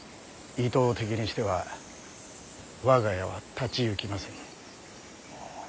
伊東を敵にしては我が家は立ち行きません。